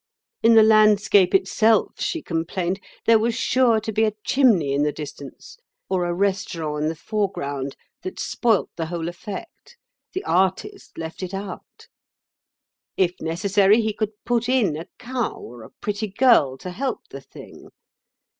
In the landscape itself, she complained, there was sure to be a chimney in the distance, or a restaurant in the foreground, that spoilt the whole effect. The artist left it out. If necessary, he could put in a cow or a pretty girl to help the thing.